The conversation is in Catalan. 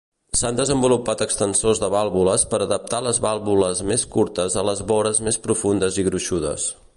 S'han desenvolupat extensors de vàlvules per adaptar les vàlvules més curtes a les vores més profundes i gruixudes.